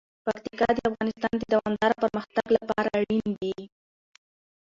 پکتیکا د افغانستان د دوامداره پرمختګ لپاره اړین دي.